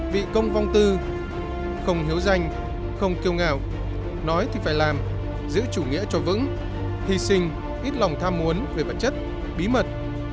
vị công vông tư không hiếu danh không kiêu ngạo nói thì phải làm giữ chủ nghĩa cho vững hy sinh ít lòng tham muốn về vật chất bí mật